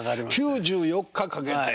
９４日かけて。